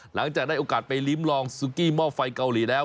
หลังจากได้โอกาสไปลิ้มลองซุกี้หม้อไฟเกาหลีแล้ว